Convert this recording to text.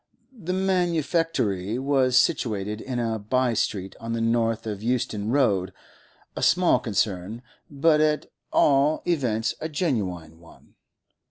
The manufactory was situated in a by street on the north of Euston Road: a small concern, but at all events a genuine one.